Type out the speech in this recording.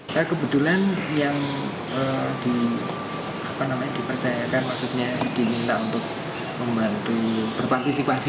saya kebetulan yang dipercayakan maksudnya diminta untuk membantu berpartisipasi